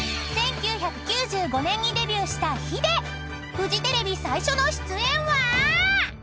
［フジテレビ最初の出演は］